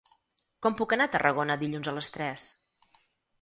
Com puc anar a Tarragona dilluns a les tres?